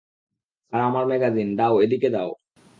আর আমার ম্যাগাজিন, দাও, এদিকে দাও।